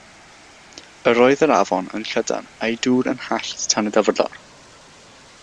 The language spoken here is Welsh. Yr oedd yr afon yn llydan a'i dŵr yn hallt tan y dyfrddor.